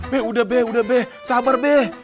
be udah be udah be sabar be